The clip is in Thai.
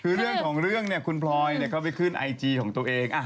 คือเรื่องของเรื่องเนี่ยคุณพลอยเข้าไปขึ้นไอจีของตัวเอง